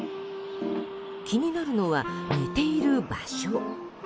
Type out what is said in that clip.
気になるのは、寝ている場所。